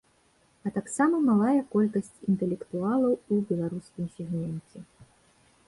А таксама малая колькасць інтэлектуалаў у беларускім сегменце.